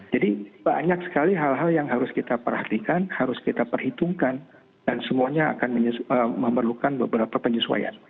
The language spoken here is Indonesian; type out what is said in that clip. banyak sekali hal hal yang harus kita perhatikan harus kita perhitungkan dan semuanya akan memerlukan beberapa penyesuaian